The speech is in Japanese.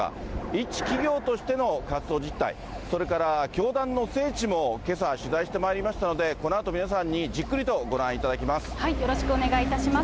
一企業としての活動実態、それから教団の聖地もけさ、取材してまいりましたので、このあと皆さんに、じっくりとご覧いよろしくお願いいたします。